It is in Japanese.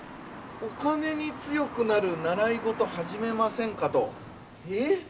お金に強くなる習い事始めませんかと。